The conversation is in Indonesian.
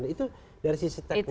itu dari sisi teknis